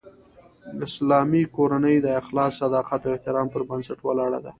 اسلامي کورنۍ د اخلاص، صداقت او احترام پر بنسټ ولاړه ده